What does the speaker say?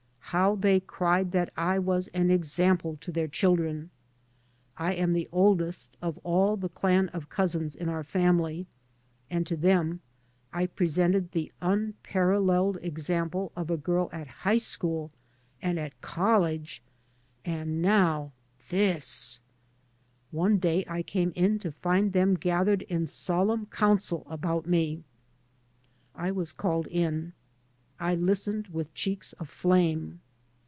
How they cried that I was " an example " to their chil dren. I am the oldest of all the clan of cousins in our family, and to them I presented the unparalleled example of a ^rl at high school, and at college — and now tkisi One day I came in to find them gathered in solemn council upon me. I was called in. I listened with cheeks aflame.